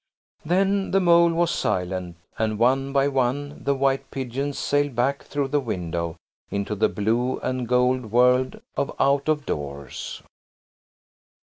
Then the Mole was silent, and one by one the white pigeons sailed back through the window into the blue and gold world of out of doors.